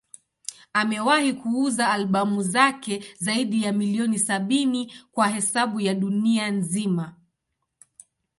Amewahi kuuza albamu zake zaidi ya milioni sabini kwa hesabu ya dunia nzima.